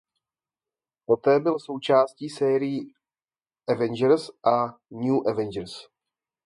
Poté byl součástí sérií "Avengers" a "New Avengers".